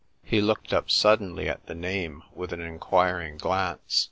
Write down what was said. (He looked up suddenly at the name with an inquiring glance.)